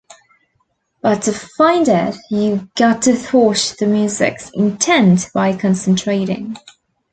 But to find it, you've got to thwart the music's intent by concentrating.